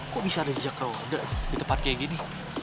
kok bisa ada jejak roda di tempat kayak gini